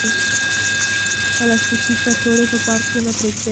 پلاستیکي کڅوړې په پارک کې مه پریږدئ.